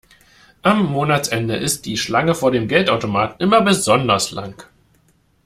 Am Monatsende ist die Schlange vor dem Geldautomaten immer besonders lang.